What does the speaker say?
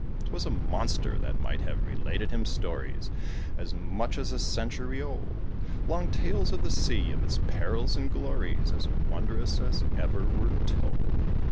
'Twas a monster that might have related him stories As much as a century old; Long tales of the sea, of its perils and glories, As wondrous as ever were told.